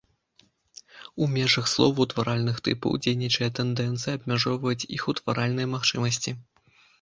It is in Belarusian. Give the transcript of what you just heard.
У межах словаўтваральных тыпаў дзейнічае тэндэнцыя абмяжоўваць іх утваральныя магчымасці.